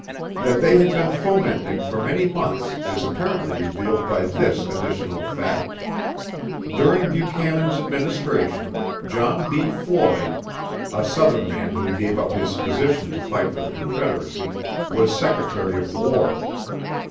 That they had been fomenting for many months is apparently revealed by this additional fact: during Buchanan's administration, John B. Floyd, a southern man who gave up his position to fight for the Confederacy, was Secretary of War.